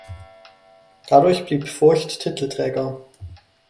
Dadurch blieb Furcht Titelträger.